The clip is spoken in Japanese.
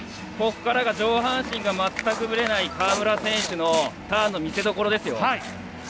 ここからが上半身が全くぶれない川村選手のターンの見せどころですよ。